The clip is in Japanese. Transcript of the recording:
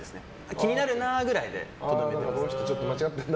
気になるなぐらいでとどめておいて。